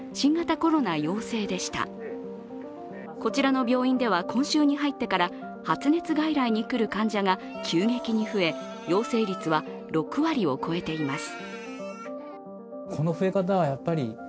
こちらの病院では今週に入ってから発熱外来に来る患者が急激に増え、陽性率は６割を超えています。